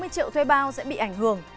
sáu mươi triệu thuê bao sẽ bị ảnh hưởng